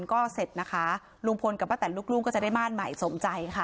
ก็เสร็จนะคะลุงพลกับป้าแตนลูกก็จะได้ม่านใหม่สมใจค่ะ